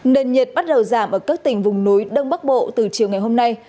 nền nhiệt bắt đầu giảm ở các tỉnh vùng núi đông bắc bộ từ chiều ngày hôm nay